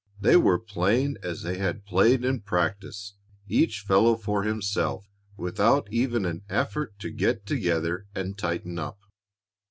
They were playing as they had played in practice, each fellow for himself, without even an effort to get together and tighten up.